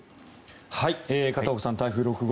片岡さん、台風６号